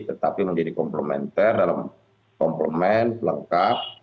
tetapi menjadi komplementer dalam komplement lengkap